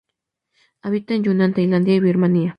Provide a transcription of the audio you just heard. Habita en Yunnan, Tailandia y Birmania.